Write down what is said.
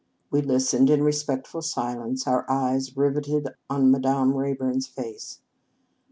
We listened in respectful silence, our eyes riveted on Madame Rayburn s face.